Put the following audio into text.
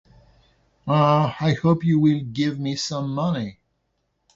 Uh, I hope you will give me some money.